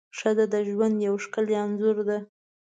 ښځه د ژوند یو ښکلی انځور ده.